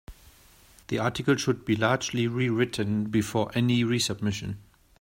The article should be largely rewritten before any resubmission.